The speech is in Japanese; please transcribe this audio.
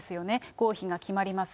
合否が決まります。